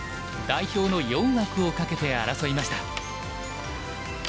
代表の４枠をかけて争いました。